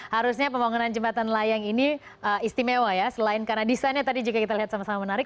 harusnya pembangunan jembatan layang ini istimewa ya selain karena desainnya tadi jika kita lihat sama sama menarik